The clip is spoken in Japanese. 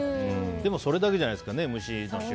でもそれだけじゃない。